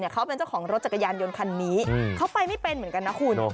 เขาเป็นเจ้าของรถจักรยานยนต์คันนี้เขาไปไม่เป็นเหมือนกันนะคุณ